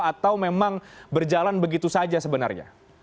atau memang berjalan begitu saja sebenarnya